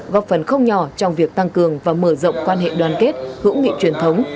góp phần không nhỏ trong việc tăng cường và mở rộng quan hệ đoàn kết hữu nghị truyền thống